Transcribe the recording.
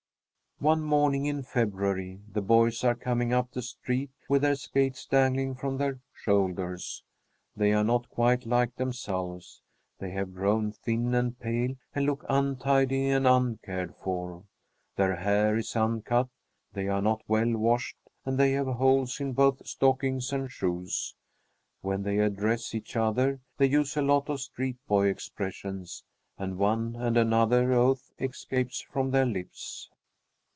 One morning in February, the boys are coming up the street with their skates dangling from their shoulders. They are not quite like themselves. They have grown thin and pale and look untidy and uncared for. Their hair is uncut; they are not well washed and they have holes in both stockings and shoes. When they address each other, they use a lot of street boy expressions, and one and another oath escapes from their lips.